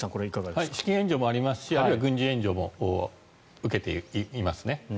資金援助もありますしあるいは軍事援助も受けていますね。